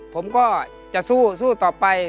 ผมก็จะสู้ต่อไป